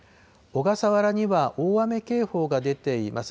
小笠原には大雨警報が出ています。